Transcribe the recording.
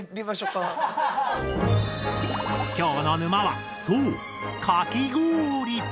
きょうの沼はそう「かき氷」！